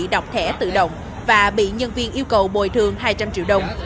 đọc thẻ tự động và bị nhân viên yêu cầu bồi thường hai trăm linh triệu đồng